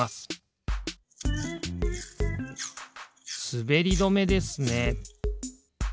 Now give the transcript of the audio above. すべりどめですね。